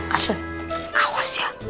asun awas ya